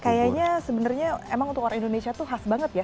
kayaknya sebenarnya emang untuk orang indonesia tuh khas banget ya